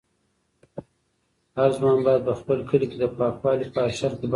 هر ځوان باید په خپل کلي کې د پاکوالي په حشر کې برخه واخلي.